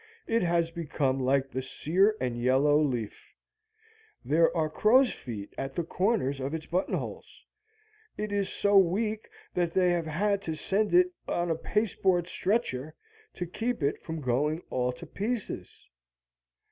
It has become like the sear and yellow leaf. There are crow's feet at the corners of its buttonholes. It is so weak that they have had to send it on a paste board stretcher to keep it from going all to pieces.